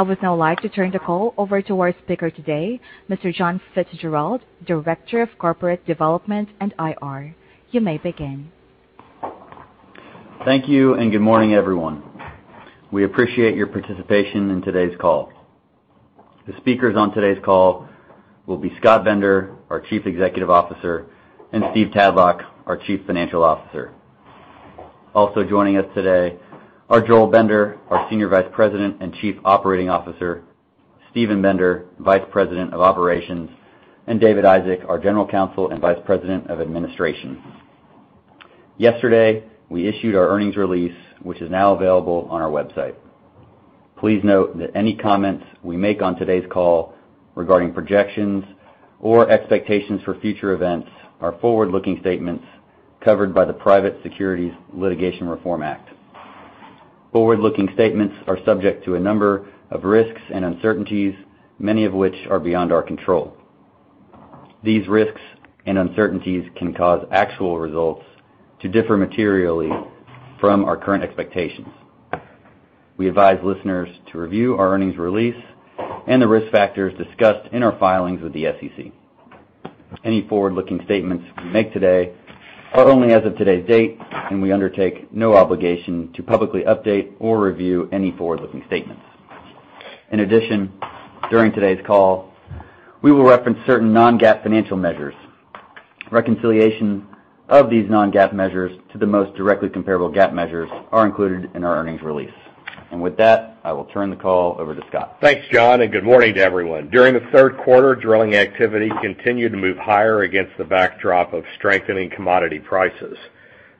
I would now like to turn the call over to our speaker today, Mr. John Fitzgerald, Director of Corporate Development and IR. You may begin. Thank you and good morning, everyone. We appreciate your participation in today's call. The speakers on today's call will be Scott Bender, our Chief Executive Officer, and Steve Tadlock, our Chief Financial Officer. Also joining us today are Joel Bender, our Senior Vice President and Chief Operating Officer, Steven Bender, Vice President of Operations, and David Isaac, our General Counsel and Vice President of Administration. Yesterday, we issued our earnings release, which is now available on our website. Please note that any comments we make on today's call regarding projections or expectations for future events are forward-looking statements covered by the Private Securities Litigation Reform Act. Forward-looking statements are subject to a number of risks and uncertainties, many of which are beyond our control. These risks and uncertainties can cause actual results to differ materially from our current expectations. We advise listeners to review our earnings release and the risk factors discussed in our filings with the SEC. Any forward-looking statements we make today are only as of today's date, and we undertake no obligation to publicly update or review any forward-looking statements. In addition, during today's call, we will reference certain non-GAAP financial measures. Reconciliation of these non-GAAP measures to the most directly comparable GAAP measures are included in our earnings release. With that, I will turn the call over to Scott. Thanks, John, and good morning to everyone. During the third quarter, drilling activity continued to move higher against the backdrop of strengthening commodity prices.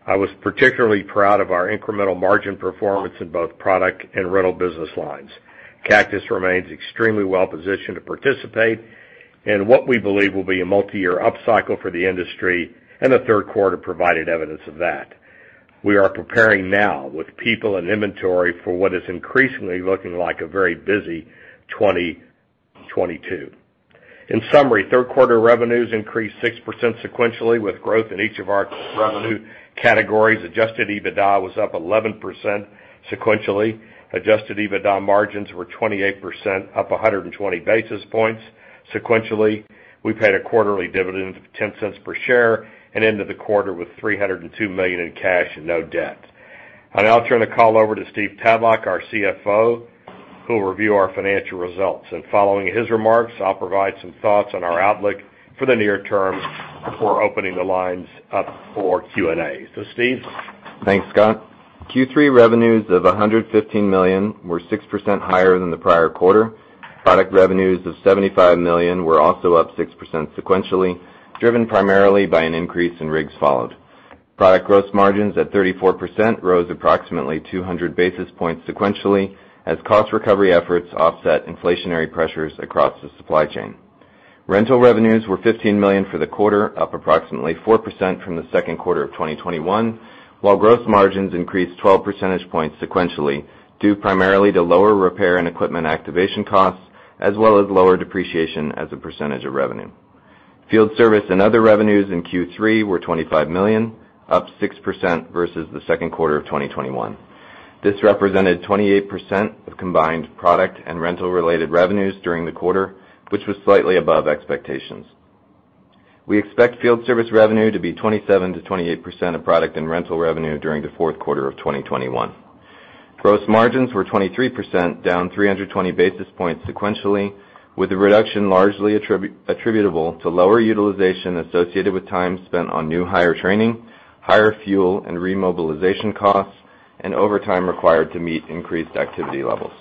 I was particularly proud of our incremental margin performance in both product and rental business lines. Cactus remains extremely well positioned to participate in what we believe will be a multiyear upcycle for the industry, and the third quarter provided evidence of that. We are preparing now with people and inventory for what is increasingly looking like a very busy 2022. In summary, third quarter revenues increased 6% sequentially with growth in each of our revenue categories. Adjusted EBITDA was up 11% sequentially. Adjusted EBITDA margins were 28%, up 120 basis points. Sequentially, we paid a quarterly dividend of $0.10 per share and ended the quarter with $302 million in cash and no debt. I'll now turn the call over to Steve Tadlock, our CFO, who will review our financial results. Following his remarks, I'll provide some thoughts on our outlook for the near term before opening the lines up for Q&A. So, Steve? Thanks, Scott. Q3 revenues of $115 million were 6% higher than the prior quarter. Product revenues of $75 million were also up 6% sequentially, driven primarily by an increase in rigs followed. Product gross margins at 34% rose approximately 200 basis points sequentially as cost recovery efforts offset inflationary pressures across the supply chain. Rental revenues were $15 million for the quarter, up approximately 4% from the second quarter of 2021, while gross margins increased 12 percentage points sequentially due primarily to lower repair and equipment activation costs, as well as lower depreciation as a percentage of revenue. Field service and other revenues in Q3 were $25 million, up 6% versus the second quarter of 2021. This represented 28% of combined product and rental-related revenues during the quarter, which was slightly above expectations. We expect field service revenue to be 27%-28% of product and rental revenue during the fourth quarter of 2021. Gross margins were 23%, down 320 basis points sequentially, with the reduction largely attributable to lower utilization associated with time spent on new hire training, higher fuel and remobilization costs, and overtime required to meet increased activity levels.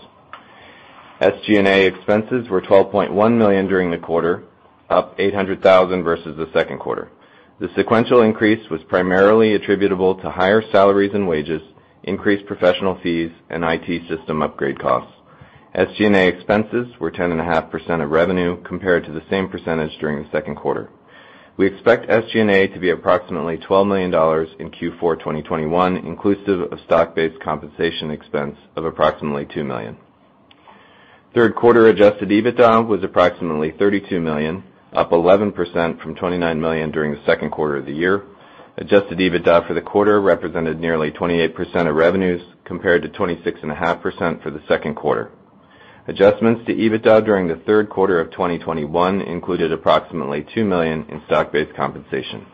SG&A expenses were $12.1 million during the quarter, up $800,000 versus the second quarter. The sequential increase was primarily attributable to higher salaries and wages, increased professional fees, and IT system upgrade costs. SG&A expenses were 10.5% of revenue compared to the same percentage during the second quarter. We expect SG&A to be approximately $12 million in Q4 2021, inclusive of stock-based compensation expense of approximately $2 million. Third quarter adjusted EBITDA was approximately $32 million, up 11% from $29 million during the second quarter of the year. Adjusted EBITDA for the quarter represented nearly 28% of revenues compared to 26.5% for the second quarter. Adjustments to EBITDA during the third quarter of 2021 included approximately $2 million in stock-based compensation.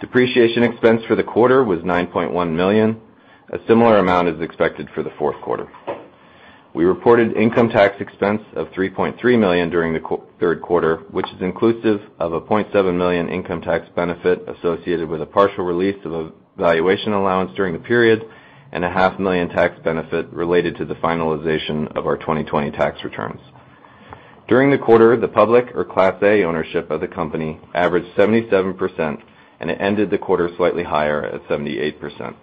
Depreciation expense for the quarter was $9.1 million. A similar amount is expected for the fourth quarter. We reported income tax expense of $3.3 million during the third quarter, which is inclusive of a $0.7 million Income tax benefit associated with a partial release of a valuation allowance during the period and a $500,000 tax benefit related to the finalization of our 2020 tax returns. During the quarter, the public or Class A ownership of the company averaged 77%, and it ended the quarter slightly higher at 78%.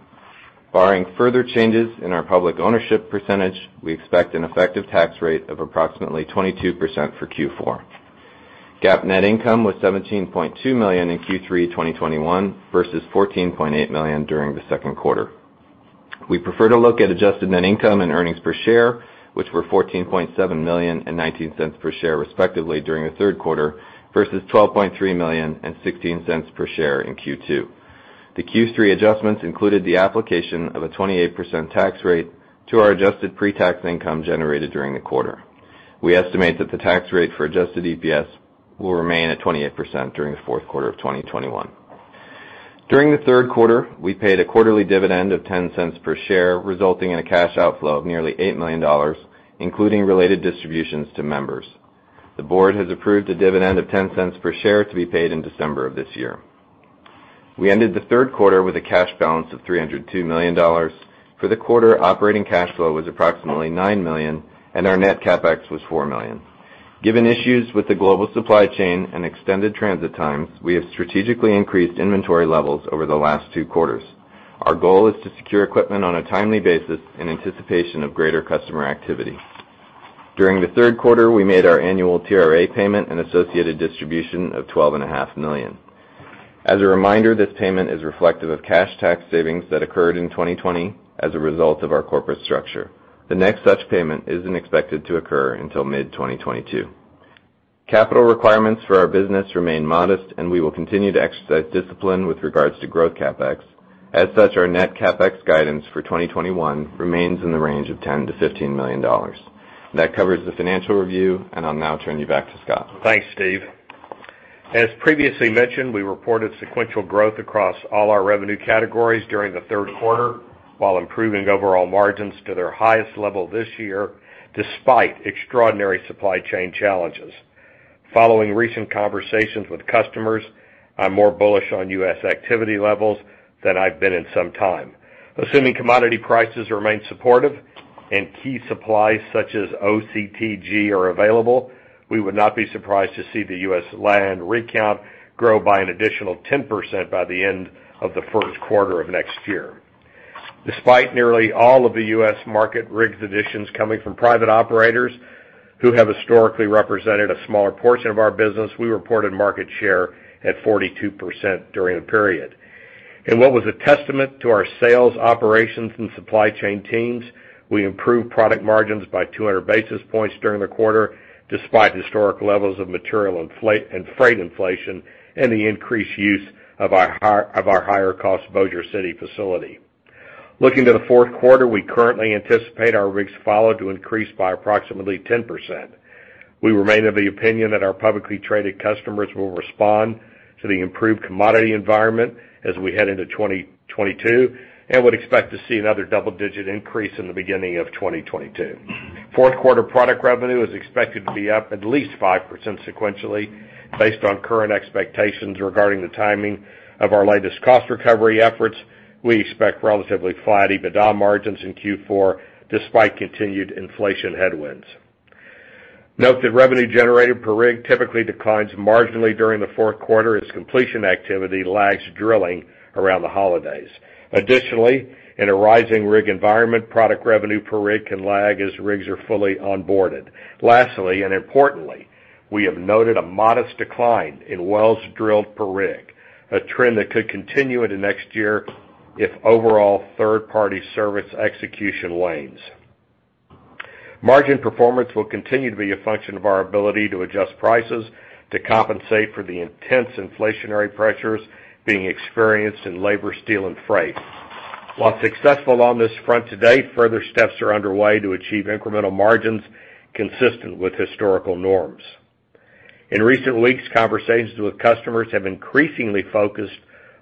Barring further changes in our public ownership percentage, we expect an effective tax rate of approximately 22% for Q4. GAAP net income was $17.2 million in Q3 2021 versus $14.8 million during the second quarter. We prefer to look at adjusted net income and earnings per share, which were $14.7 million and $0.19 per share, respectively, during the third quarter versus $12.3 million and $0.16 per share in Q2. The Q3 adjustments included the application of a 28% tax rate to our adjusted pre-tax income generated during the quarter. We estimate that the tax rate for adjusted EPS will remain at 28% during the fourth quarter of 2021. During the third quarter, we paid a quarterly dividend of $0.10 per share, resulting in a cash outflow of nearly $8 million, including related distributions to members. The board has approved a dividend of $0.10 per share to be paid in December of this year. We ended the third quarter with a cash balance of $302 million. For the quarter, operating cash flow was approximately $9 million, and our net CapEx was $4 million. Given issues with the global supply chain and extended transit times, we have strategically increased inventory levels over the last two quarters. Our goal is to secure equipment on a timely basis in anticipation of greater customer activity. During the third quarter, we made our annual TRA payment and associated distribution of $12.5 million. As a reminder, this payment is reflective of cash tax savings that occurred in 2020 as a result of our corporate structure. The next such payment isn't expected to occur until mid-2022. Capital requirements for our business remain modest, and we will continue to exercise discipline with regards to growth CapEx. As such, our net CapEx guidance for 2021 remains in the range of $10 million-$15 million. That covers the financial review, and I'll now turn you back to Scott. Thanks, Steve. As previously mentioned, we reported sequential growth across all our revenue categories during the third quarter while improving overall margins to their highest level this year, despite extraordinary supply chain challenges. Following recent conversations with customers, I'm more bullish on U.S. activity levels than I've been in some time. Assuming commodity prices remain supportive and key supplies such as OCTG are available, we would not be surprised to see the U.S. land rig count grow by an additional 10% by the end of the first quarter of next year. Despite nearly all of the U.S. market rigs additions coming from private operators who have historically represented a smaller portion of our business, we reported market share at 42% during the period. In what was a testament to our sales, operations, and supply chain teams, we improved product margins by 200 basis points during the quarter, despite historic levels of material inflation and freight inflation and the increased use of our higher-cost Bossier City facility. Looking to the fourth quarter, we currently anticipate our rig count to increase by approximately 10%. We remain of the opinion that our publicly traded customers will respond to the improved commodity environment as we head into 2022 and would expect to see another double-digit increase in the beginning of 2022. Fourth quarter product revenue is expected to be up at least 5% sequentially based on current expectations regarding the timing of our latest cost recovery efforts. We expect relatively flat EBITDA margins in Q4 despite continued inflation headwinds. Note that revenue generated per rig typically declines marginally during the fourth quarter as completion activity lags drilling around the holidays. Additionally, in a rising rig environment, product revenue per rig can lag as rigs are fully onboarded. Lastly, and importantly, we have noted a modest decline in wells drilled per rig, a trend that could continue into next year if overall third-party service execution lags. Margin performance will continue to be a function of our ability to adjust prices to compensate for the intense inflationary pressures being experienced in labor, steel, and freight. While successful on this front to date, further steps are underway to achieve incremental margins consistent with historical norms. In recent weeks, conversations with customers have increasingly focused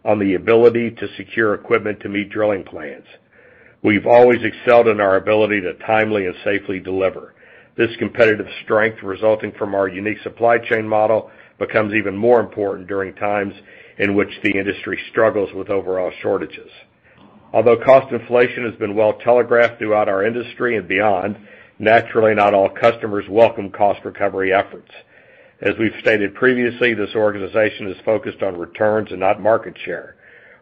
on the ability to secure equipment to meet drilling plans. We've always excelled in our ability to timely and safely deliver. This competitive strength resulting from our unique supply chain model becomes even more important during times in which the industry struggles with overall shortages. Although cost inflation has been well telegraphed throughout our industry and beyond, naturally, not all customers welcome cost recovery efforts. As we've stated previously, this organization is focused on returns and not market share.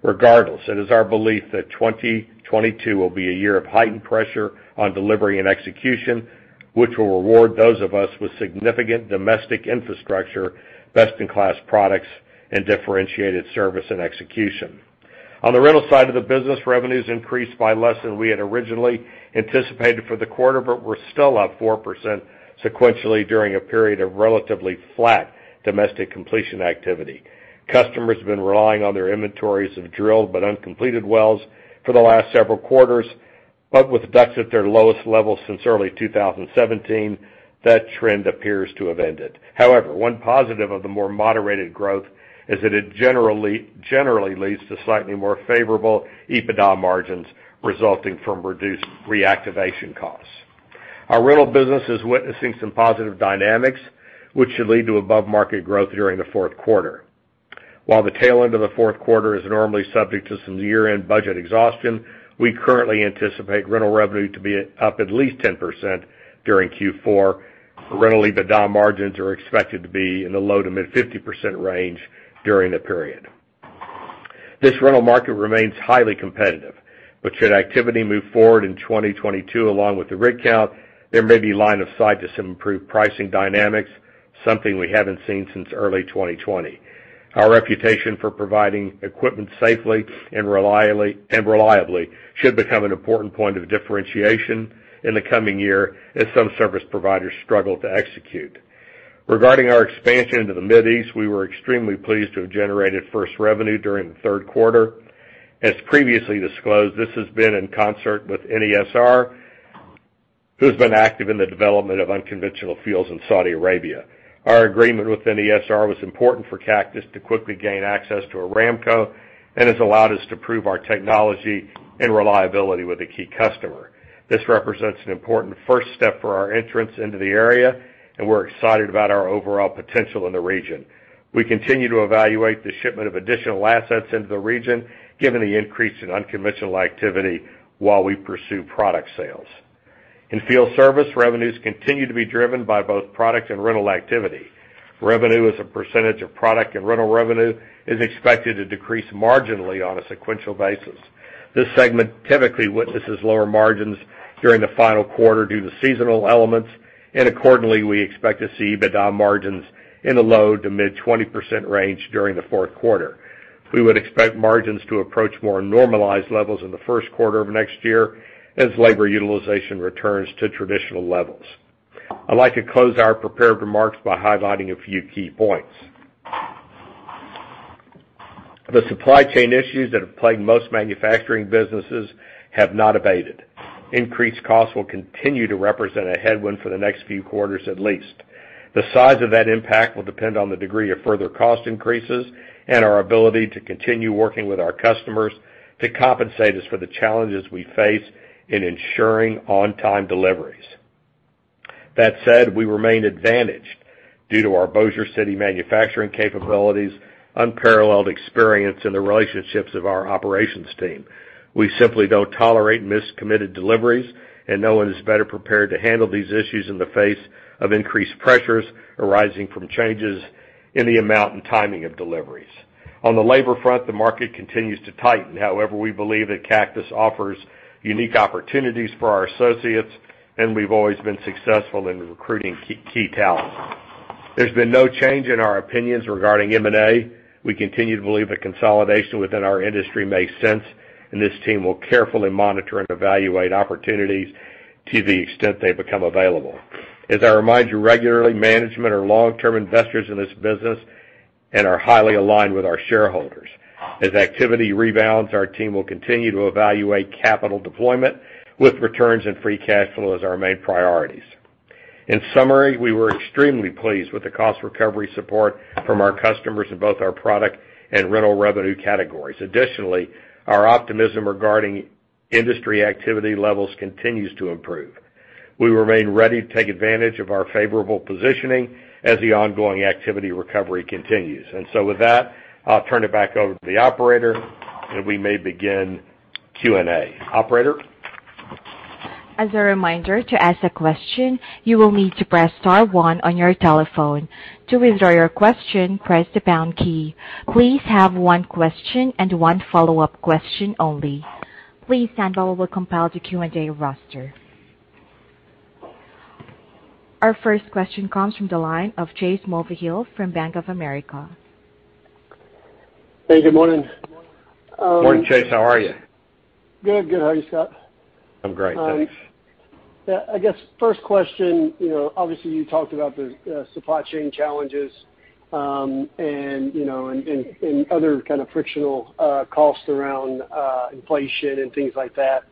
Regardless, it is our belief that 2022 will be a year of heightened pressure on delivery and execution, which will reward those of us with significant domestic infrastructure, best-in-class products, and differentiated service and execution. On the rental side of the business, revenues increased by less than we had originally anticipated for the quarter, but were still up 4% sequentially during a period of relatively flat domestic completion activity. Customers have been relying on their inventories of drilled but uncompleted wells for the last several quarters, but with DUCs at their lowest level since early 2017, that trend appears to have ended. However, one positive of the more moderated growth is that it generally leads to slightly more favorable EBITDA margins resulting from reduced reactivation costs. Our rental business is witnessing some positive dynamics, which should lead to above-market growth during the fourth quarter. While the tail end of the fourth quarter is normally subject to some year-end budget exhaustion, we currently anticipate rental revenue to be up at least 10% during Q4. Rental EBITDA margins are expected to be in the low- to mid-50% range during the period. This rental market remains highly competitive, but should activity move forward in 2022 along with the rig count, there may be line of sight to some improved pricing dynamics, something we haven't seen since early 2020. Our reputation for providing equipment safely and reliably should become an important point of differentiation in the coming year as some service providers struggle to execute. Regarding our expansion into the Middle East, we were extremely pleased to have generated first revenue during the third quarter. As previously disclosed, this has been in concert with NESR, who's been active in the development of unconventional fields in Saudi Arabia. Our agreement with NESR was important for Cactus to quickly gain access to Aramco and has allowed us to prove our technology and reliability with a key customer. This represents an important first step for our entrance into the area, and we're excited about our overall potential in the region. We continue to evaluate the shipment of additional assets into the region given the increase in unconventional activity while we pursue product sales. In field service, revenues continue to be driven by both product and rental activity. Revenue as a percentage of product and rental revenue is expected to decrease marginally on a sequential basis. This segment typically witnesses lower margins during the final quarter due to seasonal elements, and accordingly, we expect to see EBITDA margins in the low- to mid-20% range during the fourth quarter. We would expect margins to approach more normalized levels in the first quarter of next year as labor utilization returns to traditional levels. I'd like to close our prepared remarks by highlighting a few key points. The supply chain issues that have plagued most manufacturing businesses have not abated. Increased costs will continue to represent a headwind for the next few quarters at least. The size of that impact will depend on the degree of further cost increases and our ability to continue working with our customers to compensate us for the challenges we face in ensuring on-time deliveries. That said, we remain advantaged due to our Bossier City manufacturing capabilities, unparalleled experience and the relationships of our operations team. We simply don't tolerate missed committed deliveries, and no one is better prepared to handle these issues in the face of increased pressures arising from changes in the amount and timing of deliveries. On the labor front, the market continues to tighten. However, we believe that Cactus offers unique opportunities for our associates, and we've always been successful in recruiting key talent. There's been no change in our opinions regarding M&A. We continue to believe that consolidation within our industry makes sense, and this team will carefully monitor and evaluate opportunities to the extent they become available. As I remind you regularly, management are long-term investors in this business and are highly aligned with our shareholders. As activity rebounds, our team will continue to evaluate capital deployment with returns and free cash flow as our main priorities. In summary, we were extremely pleased with the cost recovery support from our customers in both our product and rental revenue categories. Additionally, our optimism regarding industry activity levels continues to improve. We remain ready to take advantage of our favorable positioning as the ongoing activity recovery continues. With that, I'll turn it back over to the operator, and we may begin Q&A. Operator? Our first question comes from the line of Chase Mulvehill from Bank of America. Hey, good morning. Morning, Chase. How are you? Good. Good. How are you, Scott? I'm great, thanks. Yeah, I guess first question, you know, obviously, you talked about the supply chain challenges, and you know other kind of frictional costs around inflation and things like that.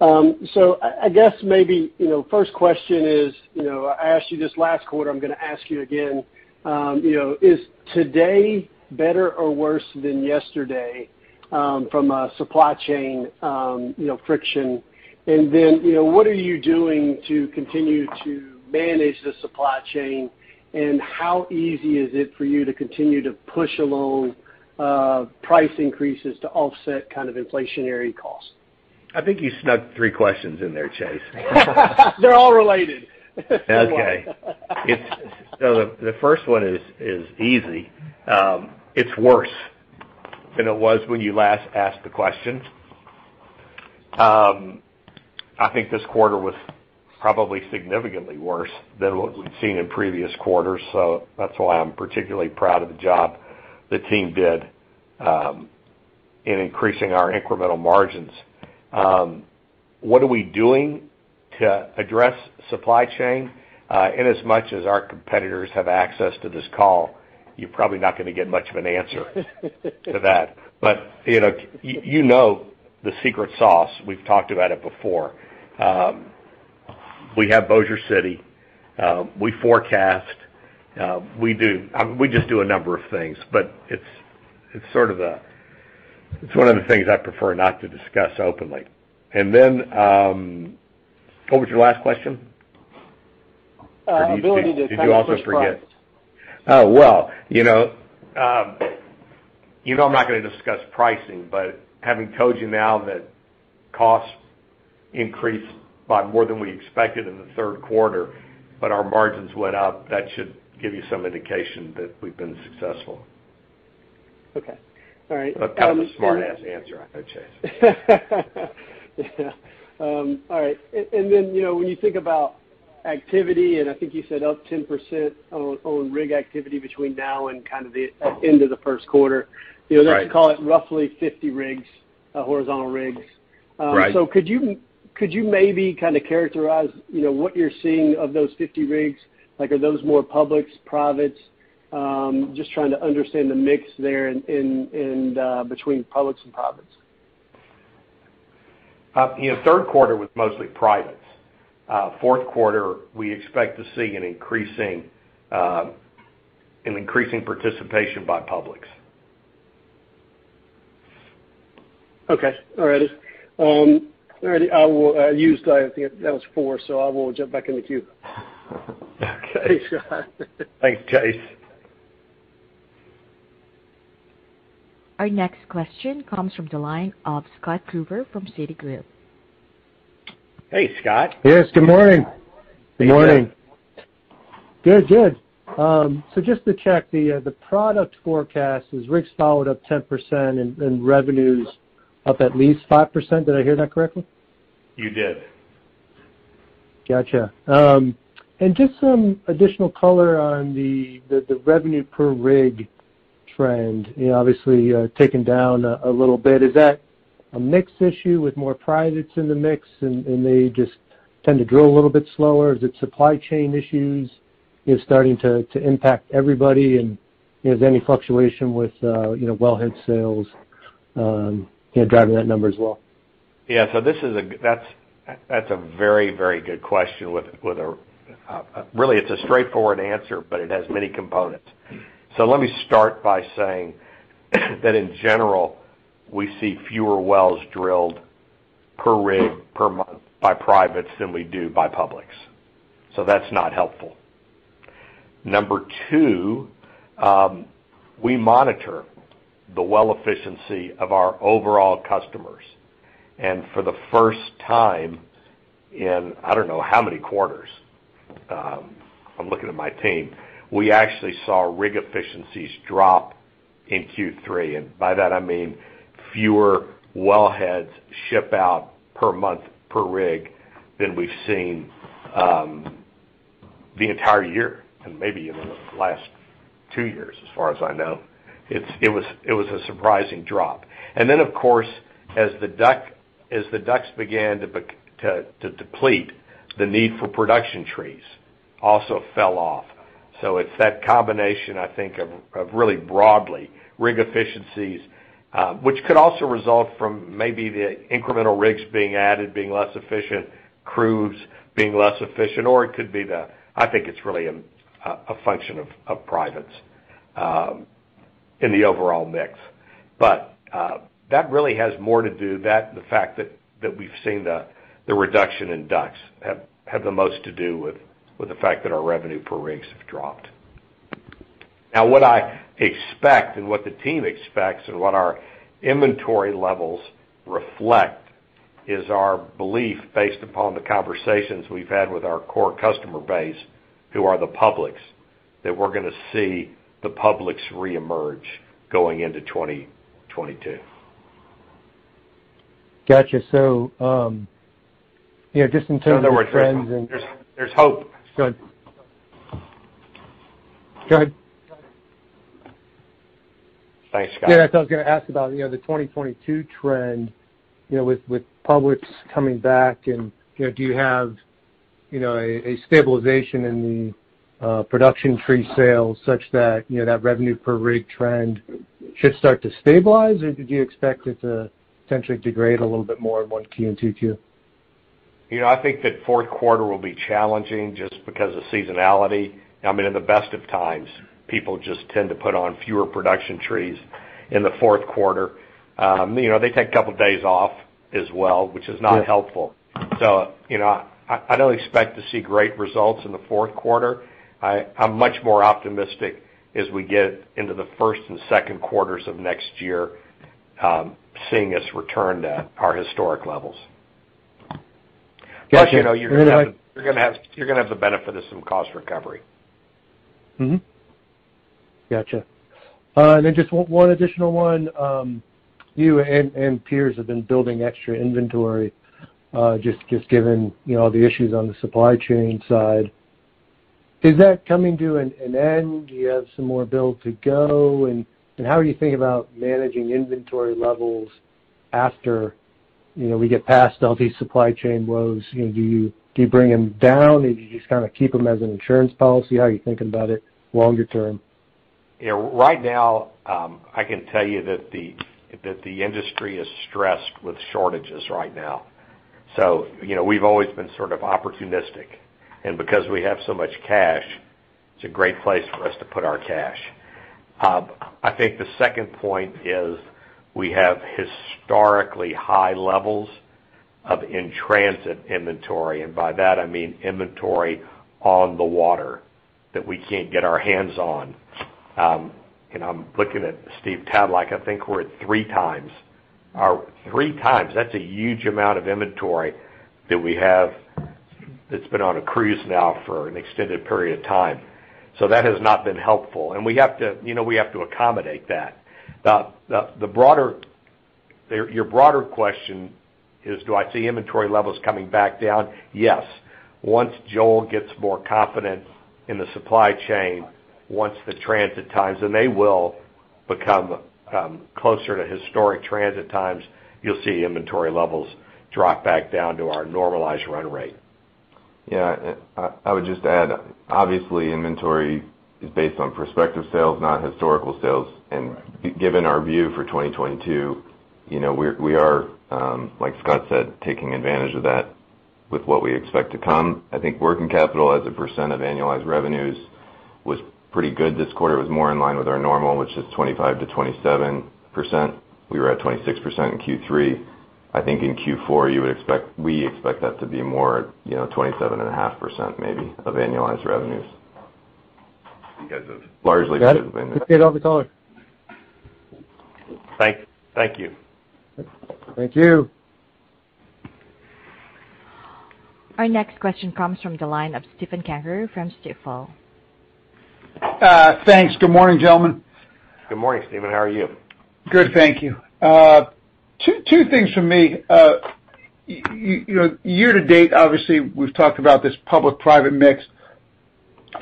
I guess maybe, you know, first question is, you know, I asked you this last quarter, I'm gonna ask you again, you know, is today better or worse than yesterday from a supply chain, you know, friction? And then, you know, what are you doing to continue to manage the supply chain? And how easy is it for you to continue to push along price increases to offset kind of inflationary costs? I think you snuck three questions in there, Chase. They're all related. The first one is easy. It's worse than it was when you last asked the question. I think this quarter was probably significantly worse than what we've seen in previous quarters, so that's why I'm particularly proud of the job the team did in increasing our incremental margins. What are we doing to address supply chain? Inasmuch as our competitors have access to this call, you're probably not gonna get much of an answer to that. You know the secret sauce. We've talked about it before. We have Bossier City. We forecast. We just do a number of things, but it's sort of a. It's one of the things I prefer not to discuss openly. What was your last question? ability to kind of push price. Did you also forget? Oh, well, you know, you know I'm not gonna discuss pricing, but having told you now that costs increased by more than we expected in the third quarter, but our margins went up, that should give you some indication that we've been successful. Okay. All right. That's kind of a smart-ass answer, eh, Chase? Then, you know, when you think about activity, and I think you said up 10% on rig activity between now and kind of the end of the first quarter. Right. You know, let's call it roughly 50 rigs, horizontal rigs, so could you maybe kind of characterize, you know, what you're seeing of those 50 rigs? Like, are those more publics, privates? Just trying to understand the mix there in between publics and privates. You know, third quarter was mostly privates. Fourth quarter, we expect to see an increasing participation by publics. Okay. All righty. I used, I think that was four, so I will jump back in the queue. Okay. Thanks, Scott. Thanks, Chase. Our next question comes from the line of Scott Gruber from Citigroup. Hey, Scott. Yes, good morning. Good morning. Good, good. Just to check the product forecast is rigs followed up 10% and revenues up at least 5%. Did I hear that correctly? You did. Gotcha. Just some additional color on the revenue per rig trend. You know, obviously, taken down a little bit. Is that a mix issue with more privates in the mix and they just tend to drill a little bit slower? Is it supply chain issues starting to impact everybody and, you know, is there any fluctuation with wellhead sales driving that number as well? Yeah. That's a very good question with a really straightforward answer, but it has many components. Let me start by saying that in general, we see fewer wells drilled per rig per month by privates than we do by publics. That's not helpful. Number two, we monitor the well efficiency of our overall customers. For the first time in, I don't know how many quarters, I'm looking at my team, we actually saw rig efficiencies drop in Q3. By that, I mean fewer wellheads ship out per month per rig than we've seen the entire year and maybe even the last two years as far as I know. It was a surprising drop. Of course, as the DUCs began to deplete, the need for production trees also fell off. It's that combination, I think, of really broadly rig efficiencies, which could also result from maybe the incremental rigs being added, being less efficient, crews being less efficient, or it could be. I think it's really a function of privates in the overall mix. That really has more to do with the fact that we've seen the reduction in DUCs have the most to do with the fact that our revenue per rig have dropped. Now, what I expect and what the team expects and what our inventory levels reflect is our belief based upon the conversations we've had with our core customer base, who are the publics, that we're gonna see the publics reemerge going into 2022. Got you. You know, just in terms of trends and. There's hope. Good. Go ahead. Thanks, Scott. Yeah, I was gonna ask about, you know, the 2022 trend, you know, with publics coming back and, you know, do you have, you know, a stabilization in the production tree sales such that, you know, that revenue per rig trend should start to stabilize, or did you expect it to potentially degrade a little bit more in 1Q and 2Q? You know, I think that fourth quarter will be challenging just because of seasonality. I mean, in the best of times, people just tend to put on fewer production trees in the fourth quarter. You know, they take a couple days off as well, which is not helpful. You know, I don't expect to see great results in the fourth quarter. I'm much more optimistic as we get into the first and second quarters of next year, seeing us return to our historic levels. Got you. You know, you're gonna have the benefit of some cost recovery. Gotcha. Just one additional one. You and peers have been building extra inventory, just given, you know, the issues on the supply chain side. Is that coming to an end? Do you have some more build to go? How are you thinking about managing inventory levels after, you know, we get past all these supply chain woes? You know, do you bring them down? Do you just kinda keep them as an insurance policy? How are you thinking about it longer term? Yeah. Right now, I can tell you that the industry is stressed with shortages right now. You know, we've always been sort of opportunistic. Because we have so much cash, it's a great place for us to put our cash. I think the second point is we have historically high levels of in-transit inventory. By that, I mean inventory on the water that we can't get our hands on. I'm looking at Steve Tadlock. I think we're at three times. Three times, that's a huge amount of inventory that we have that's been on a cruise now for an extended period of time. That has not been helpful. We have to, you know, accommodate that. Now, the broader question is, do I see inventory levels coming back down? Yes. Once Joel gets more confident in the supply chain, once the transit times and they will become closer to historic transit times, you'll see inventory levels drop back down to our normalized run rate. Yeah. I would just add, obviously, inventory is based on prospective sales, not historical sales. Right. Given our view for 2022, you know, we are, like Scott said, taking advantage of that with what we expect to come. I think working capital as a percent of annualized revenues was pretty good this quarter. It was more in line with our normal, which is 25%-27%. We were at 26% in Q3. I think in Q4, we expect that to be more, you know, 27.5% maybe of annualized revenues because of largely Got it. Appreciate all the color. Thank you. Thank you. Our next question comes from the line of Stephen Gengaro from Stifel. Thanks. Good morning, gentlemen. Good morning, Stephen. How are you? Good, thank you. Two things from me. You know, year-to-date, obviously we've talked about this public/private mix.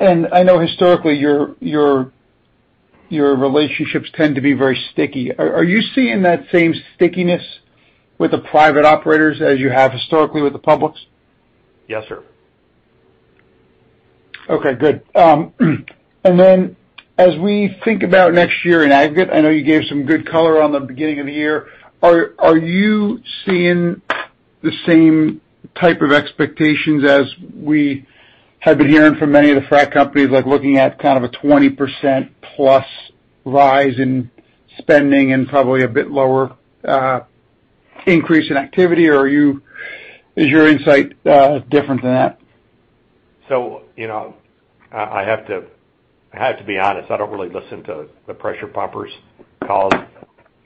I know historically your relationships tend to be very sticky. Are you seeing that same stickiness with the private operators as you have historically with the publics? Yes, sir. Okay, good. As we think about next year in aggregate, I know you gave some good color on the beginning of the year. Are you seeing the same type of expectations as we have been hearing from many of the frac companies, like looking at kind of a 20%+ rise in spending and probably a bit lower increase in activity? Or is your insight different than that? You know, I have to be honest. I don't really listen to the pressure pumpers calls.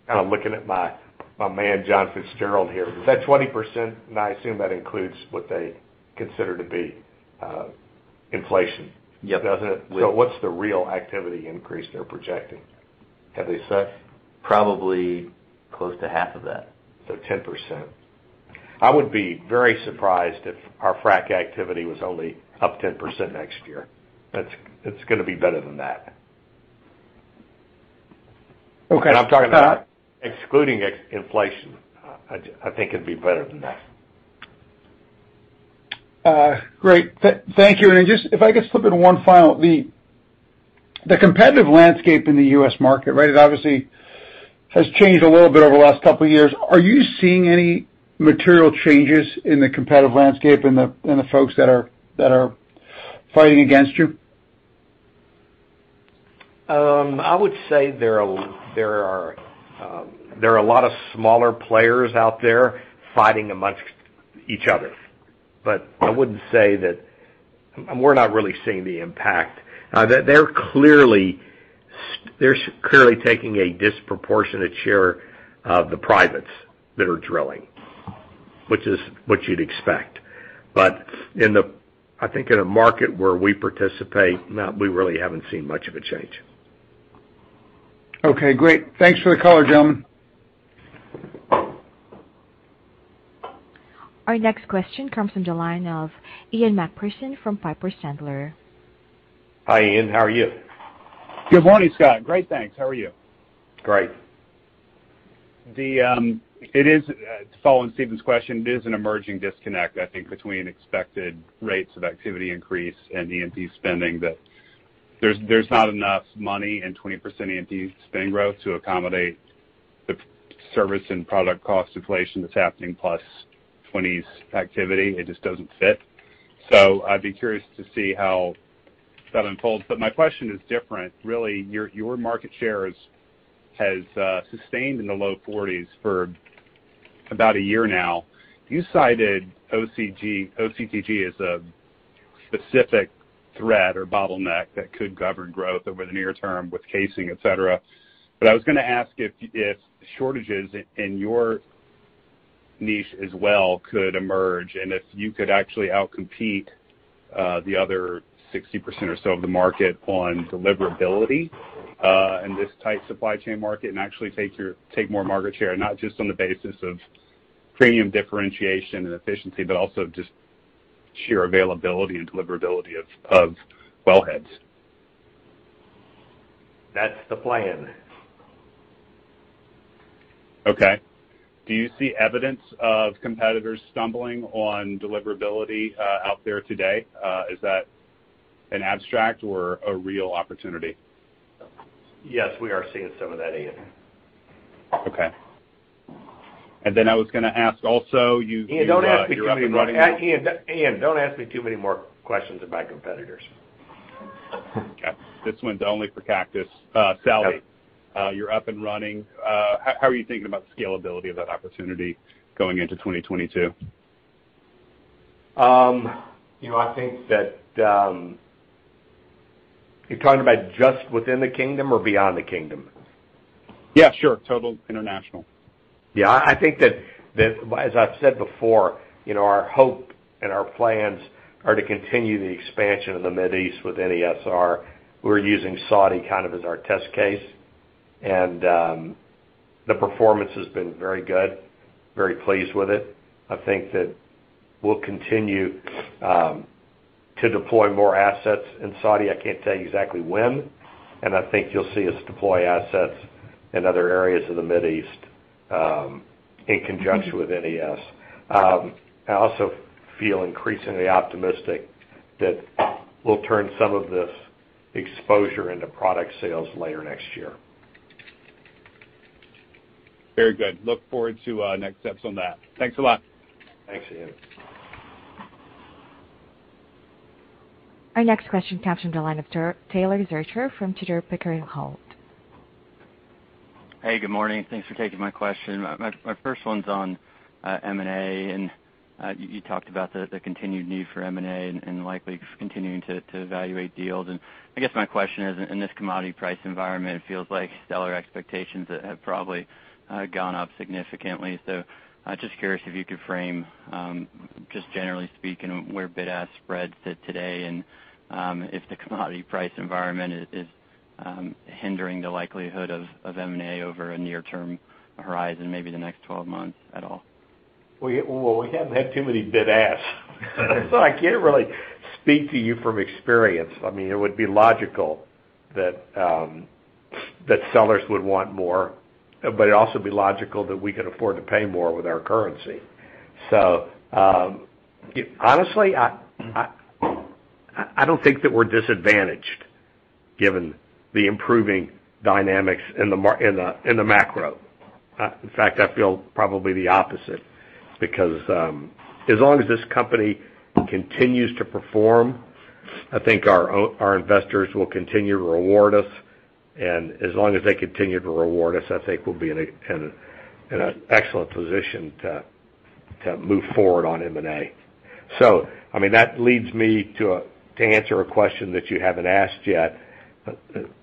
Kind of looking at my man John Fitzgerald here. That 20%, and I assume that includes what they consider to be inflation. Yep. Doesn't it? We- What's the real activity increase they're projecting? Have they said? Probably close to half of that- 10%. I would be very surprised if our frac activity was only up 10% next year. It's gonna be better than that. Okay. I'm talking about excluding inflation. I think it'd be better than that. Great. Thank you. Just if I could slip in one final. The competitive landscape in the U.S. market, right, it obviously has changed a little bit over the last couple of years. Are you seeing any material changes in the competitive landscape in the folks that are fighting against you? I would say there are a lot of smaller players out there fighting amongst each other. I wouldn't say that. We're not really seeing the impact. They're clearly taking a disproportionate share of the privates that are drilling, which is what you'd expect. I think in a market where we participate, no, we really haven't seen much of a change. Okay, great. Thanks for the color, gentlemen. Our next question comes from the line of Ian MacPherson from Piper Sandler. Hi, Ian. How are you? Good morning, Scott. Great, thanks. How are you? Great. It is, to follow on Stephen's question, it is an emerging disconnect, I think, between expected rates of activity increase and E&P spending that there's not enough money in 20% E&P spend growth to accommodate the service and product cost inflation that's happening, plus 20s activity. It just doesn't fit. I'd be curious to see how that unfolds. My question is different, really. Your market share has sustained in the low 40s for about a year now. You cited OCTG as a specific threat or bottleneck that could govern growth over the near term with casing, et cetera. I was gonna ask if shortages in your niche as well could emerge, and if you could actually outcompete the other 60% or so of the market on deliverability in this tight supply chain market and actually take more market share, not just on the basis of premium differentiation and efficiency, but also just sheer availability and deliverability of well heads. That's the plan. Okay. Do you see evidence of competitors stumbling on deliverability, out there today? Is that an abstract or a real opportunity? Yes, we are seeing some of that, Ian. Okay. I was gonna ask also, you- Ian, don't ask me too many more. You're up and running. Ian, don't ask me too many more questions of my competitors. Okay. This one's only for Cactus. Sally. Yeah. You're up and running. How are you thinking about scalability of that opportunity going into 2022? You know, I think that you're talking about just within the kingdom or beyond the kingdom? Yeah, sure. Total international. Yeah. I think that, as I've said before, you know, our hope and our plans are to continue the expansion in the Middle East with NESR. We're using Saudi kind of as our test case, and the performance has been very good. Very pleased with it. I think that we'll continue to deploy more assets in Saudi. I can't tell you exactly when, and I think you'll see us deploy assets in other areas of the Middle East in conjunction with NESR. I also feel increasingly optimistic that we'll turn some of this exposure into product sales later next year. Very good. Look forward to next steps on that. Thanks a lot. Thanks, Ian. Our next question comes from the line of Taylor Zurcher from Tudor, Pickering, Holt. Hey, good morning. Thanks for taking my question. My first one's on M&A, and you talked about the continued need for M&A and likely continuing to evaluate deals. I guess my question is in this commodity price environment, it feels like seller expectations have probably gone up significantly. Just curious if you could frame just generally speaking, where bid-ask spreads sit today, and if the commodity price environment is hindering the likelihood of M&A over a near-term horizon, maybe the next 12 months at all. Well, we haven't had too many bid-asks, so I can't really speak to you from experience. I mean, it would be logical that sellers would want more, but it'd also be logical that we could afford to pay more with our currency. Honestly, I don't think that we're disadvantaged given the improving dynamics in the macro. In fact, I feel probably the opposite because, as long as this company continues to perform, I think our investors will continue to reward us. As long as they continue to reward us, I think we'll be in a excellent position to move forward on M&A. I mean, that leads me to answer a question that you haven't asked yet,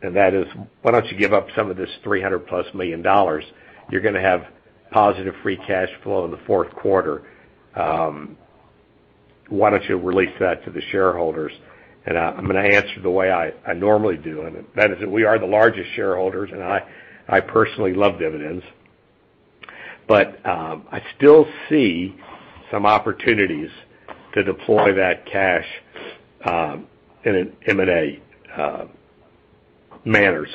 and that is, "Why don't you give up some of this $300+ million? You're gonna have positive free cash flow in the fourth quarter. Why don't you release that to the shareholders?" I'm gonna answer the way I normally do, and that is that we are the largest shareholders, and I personally love dividends. I still see some opportunities to deploy that cash in an M&A manner.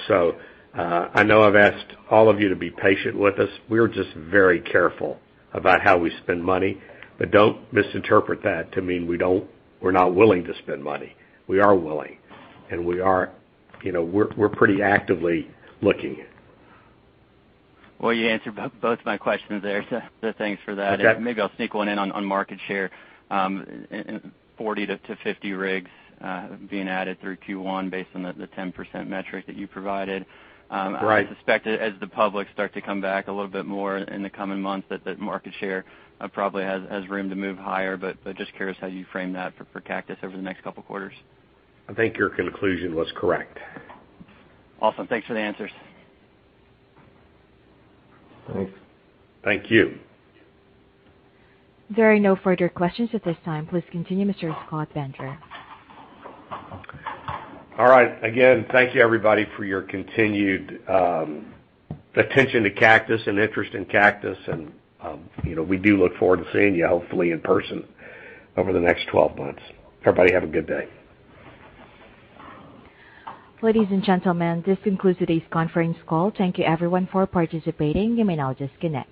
I know I've asked all of you to be patient with us. We're just very careful about how we spend money. Don't misinterpret that to mean we're not willing to spend money. We are willing, and we are we're pretty actively looking. Well, you answered both my questions there, so thanks for that. Okay. Maybe I'll sneak one in on market share. 40-50 rigs being added through Q1 based on the 10% metric that you provided. Right. I would suspect as the public start to come back a little bit more in the coming months, that the market share probably has room to move higher, but just curious how you frame that for Cactus over the next couple quarters. I think your conclusion was correct. Awesome. Thanks for the answers. Thanks. Thank you. There are no further questions at this time. Please continue, Mr. Scott Bender. All right. Again, thank you everybody for your continued attention to Cactus and interest in Cactus and, you know, we do look forward to seeing you, hopefully in person over the next 12 months. Everybody have a good day. Ladies and gentlemen, this concludes today's conference call. Thank you everyone for participating. You may now disconnect.